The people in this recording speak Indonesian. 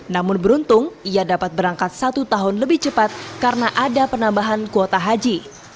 namun beruntung ia dapat berangkat satu tahun lebih cepat karena ada penambahan kuota haji